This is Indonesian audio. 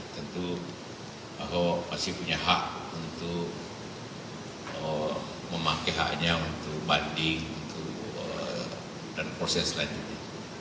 tentu ahok pasti punya hak untuk memakai haknya untuk banding dan proses selanjutnya